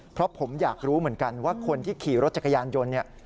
เพราะผมอยากรู้เหมือนกันว่าคนที่ขี่รถจักรยานยนต์เนี่ย